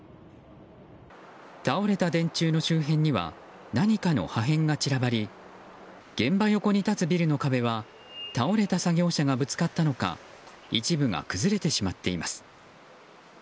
倒れた電柱の周辺には何かの破片が散らばり現場横に立つビルの壁は倒れた作業車がぶつかったのか一部が崩れてしまっています。